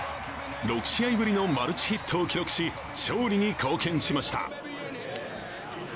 ６試合ぶりのマルチヒットを記録し勝利に貢献しました。